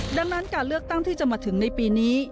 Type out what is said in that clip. ดังนั้นการเลือกตั้งที่จะมาถึงในปีนี้